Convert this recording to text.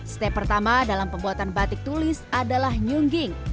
step pertama dalam pembuatan batik tulis adalah nyungging